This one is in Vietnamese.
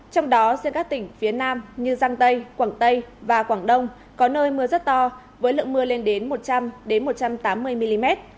trong đó riêng các tỉnh phía nam như giang tây quảng tây và quảng đông có nơi mưa rất to với lượng mưa lên đến một trăm linh một trăm tám mươi mm